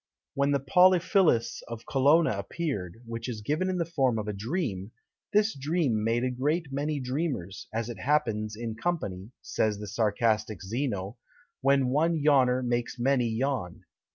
When the Poliphilus of Colonna appeared, which is given in the form of a dream, this dream made a great many dreamers, as it happens in company (says the sarcastic Zeno) when one yawner makes many yawn.